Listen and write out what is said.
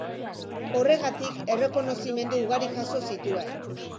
Horregatik, errekonozimendu ugari jaso zituen.